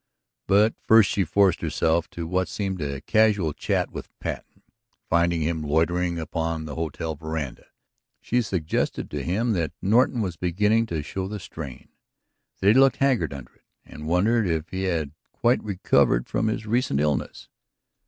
But first she forced herself to what seemed a casual chat with Patten, finding him loitering upon the hotel veranda. She suggested to him that Norton was beginning to show the strain, that he looked haggard under it, and wondered if he had quite recovered from his recent illness?